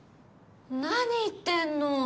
何言ってんの。